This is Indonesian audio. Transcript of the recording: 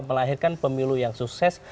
melahirkan pemilu yang sukses